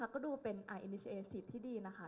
ก็ดูเป็นอินิเชลศรีปที่ดีนะคะ